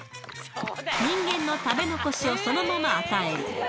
人間の食べ残しをそのまま与える。